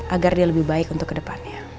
agar dia lebih baik untuk ke depannya